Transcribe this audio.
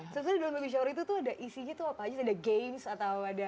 sebenarnya dalam baby shower itu tuh ada isinya tuh apa aja ada games atau ada